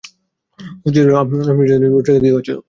ও চেয়েছিল আপনি যাতে জানেন ওর সাথে কী হয়েছিল।